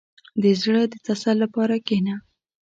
• د زړه د تسل لپاره کښېنه.